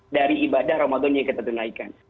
dari ibadah ramadan yang kita tunaikan